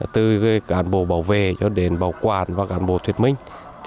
từ cán bộ bảo vệ cho đến bảo quản và cán bộ thuyết minh